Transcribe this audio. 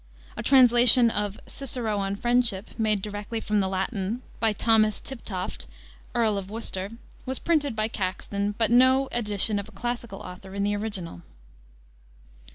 A translation of Cicero on Friendship, made directly from the Latin, by Thomas Tiptoft, Earl of Worcester, was printed by Caxton, but no edition of a classical author in the original.